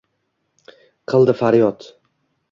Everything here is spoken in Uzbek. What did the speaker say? Qildi faryod